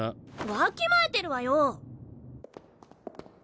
わきまえてるわよ！